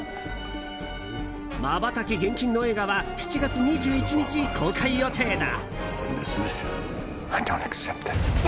まばたき厳禁の映画は７月２１日公開予定だ。